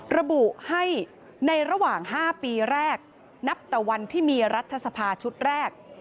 ระบุให้ในระหว่าง๕ปีแรกนับแต่วันที่มีรัฐสภาชุดแรก